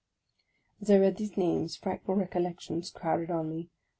As I read these names, frightful recollections crowded on me.